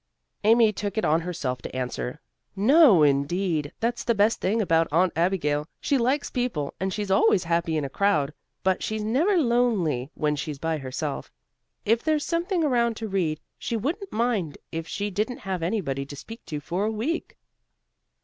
Amy took it on herself to answer. "No, indeed. That's the best thing about Aunt Abigail. She likes people and she's always happy in a crowd, but she's never lonely when she's by herself. If there's something around to read she wouldn't mind if she didn't have anybody to speak to for a week."